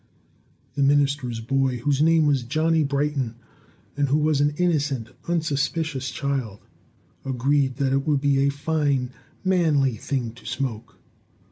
The minister's boy, whose name was Johnny Brighton, and who was an innocent, unsuspicious child, agreed that it would be a fine, manly thing to smoke.